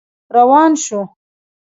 روان شو.